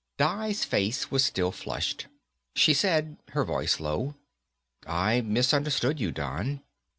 Di's face was still flushed. She said, her voice low, "I misunderstood you, Don.